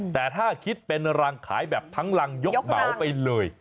แต่ถ้าคิดเป็นรังขายแบบทั้งรังยกเหมาไปเลย